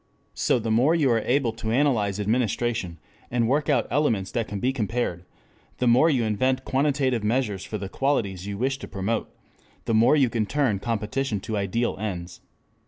So the more you are able to analyze administration and work out elements that can be compared, the more you invent quantitative measures for the qualities you wish to promote, the more you can turn competition to ideal ends.